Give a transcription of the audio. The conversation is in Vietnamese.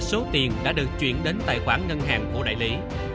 số tiền đã được chuyển đến tài khoản ngân hàng của đại lý